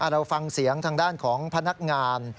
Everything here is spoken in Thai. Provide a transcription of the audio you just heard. เราฟังเสียงทางด้านของพนักงาน